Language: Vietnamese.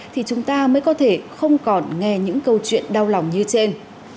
thì chúng ta mới có thể không còn nghe những câu chuyện đau lòng như trên